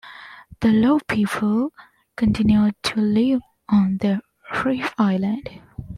The Lau people continue to live on the reef islands.